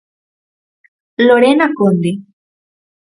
Lorena Conde.